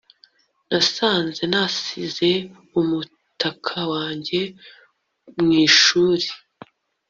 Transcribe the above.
nasanze nasize umutaka wanjye mu ishuri